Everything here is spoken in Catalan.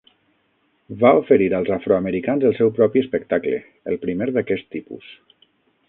Va oferir als afroamericans el seu propi espectacle, el primer d'aquest tipus.